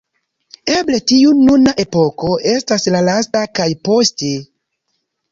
Eble tiu nuna epoko estas la lasta, kaj poste?